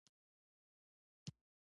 • د واورې لاندې کورونه ډېر ښکلي ښکاري.